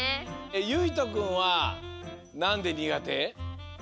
ゆいとくんはなんでにがて？